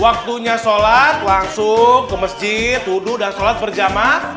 waktunya sholat langsung ke masjid tudu dan sholat berjamaah